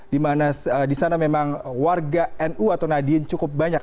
di mana di sana memang warga nu atau nadien cukup banyak